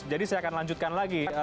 jadi saya akan lanjutkan lagi